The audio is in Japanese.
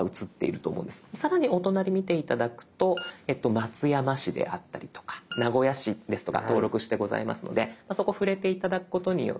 さらにお隣見て頂くと松山市であったりとか名古屋市ですとか登録してございますのでそこ触れて頂くことによって。